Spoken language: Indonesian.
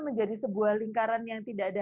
menjadi sebuah lingkaran yang tidak ada